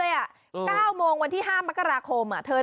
นี่คุณไปสร้างแลนด์มาร์คเหรอ